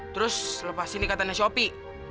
terus lepasin nih katanya si opi